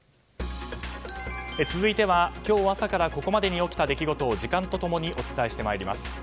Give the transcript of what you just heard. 続いては今日朝からここまでに起きた出来事を時間と共にお伝えしてまいります。